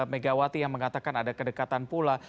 megawati yang mengatakan ada kedekatan pula